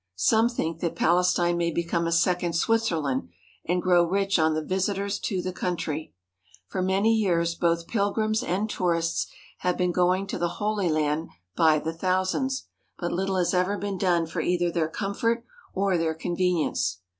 Some think that Palestine may become a second Switzerland and grow rich on the visitors to the country. For many years both pilgrims and tourists have been going to the Holy Land by the thousands, but little has ever been done for either their comfort or their conve nience.